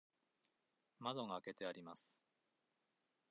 窓が開けてあります。